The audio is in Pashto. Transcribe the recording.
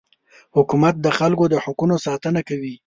حکومت د خلکو د حقونو ساتنه کوي.